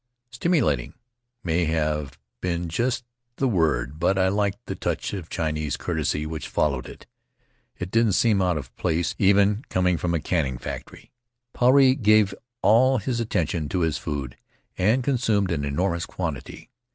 "Stimu lating" may not have been just the word, but I liked the touch of Chinese courtesy which followed it. It didn't seem out of place, even coming from a canning factory. Puarei gave all his attention to his food, and con sumed an enormous quantity.